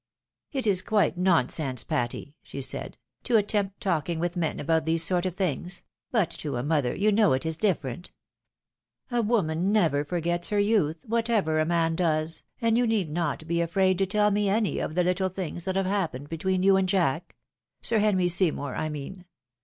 " It is quite nonsense, Patty," she said, " to attempt talking with men about these sort of things ; but to a mother, you know, it is different. A woman never forgets her youth, what ever a man does, and you need not be afraid to tell me any of the little things that have happened between you and Jack — 272 THE WIDOW MAKErED, Sir Henry Seymour, I mean.